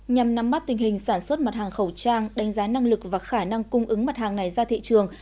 nhằm nắm mắt tình hình sản xuất mặt hàng khẩu trang đánh giá năng lực và khả năng cung ứng mặt hàng này ra thị trường